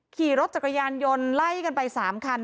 ขี่รถจักรยานยนต์ไล่กันไป๓คัน